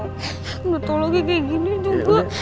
udah tolongnya kayak gini juga